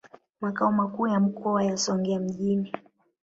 Makao makuu ya mkoa yako Songea mjini.